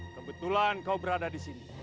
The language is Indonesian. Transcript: kebetulan kau berada di sini